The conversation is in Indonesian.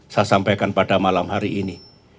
saya sampaikan pada malam hari ini